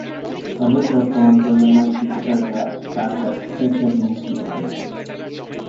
তবে বর্তমান প্রজন্মের ক্রিকেটাররা তাঁর কাছ থেকে একটা জিনিস নিতে পারে।